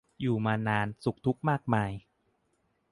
อยู่มานานสุขทุกข์มากมาย